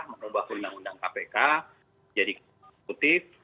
menubah undang undang kpk jadi konstitusif